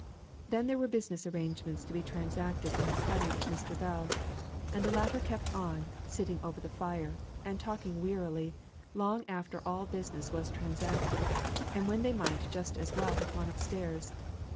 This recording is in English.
Then there were business arrangements to be transacted in the study with Mr. Bell; and the latter kept on, sitting over the fire, and talking wearily, long after all business was transacted, and when they might just as well have gone upstairs.